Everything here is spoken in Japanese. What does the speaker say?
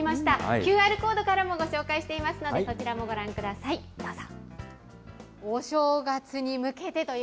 ＱＲコードからもご紹介していますので、こちらもご覧ください。どうぞ。